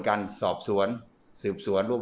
ตอนนี้ก็ไม่มีอัศวินทรีย์